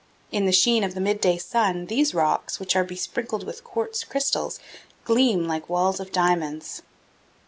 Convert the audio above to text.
In the sheen of the midday sun, these rocks, which are besprinkled with quartz crystals, gleam like walls of diamonds.